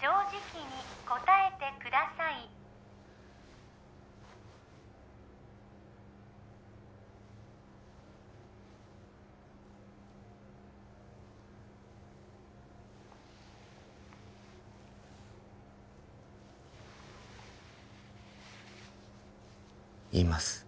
正直に答えてくださいいます